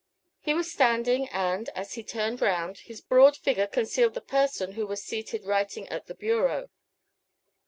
He was standing, and, as he turned round, his broad figure concealed the person who was seated writing at the bureau.